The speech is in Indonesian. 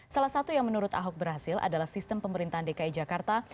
salah satu yang menurut ahok berhasil adalah sistem pemerintahan dki jakarta